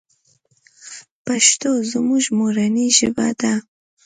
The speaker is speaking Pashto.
پښتو زموږ مورنۍ ژبه ده .